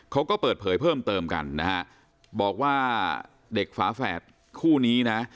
เขาก็เปิดเผยเพิ่มเติมกันนะฮะบอกว่าเด็กฝาแฝดคู่นี้นะ